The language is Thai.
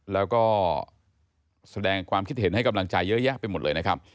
แล้วก็แสดงความคิดเห็นให้กำลังใจเยอะแยะไปหมดเลยนะครับ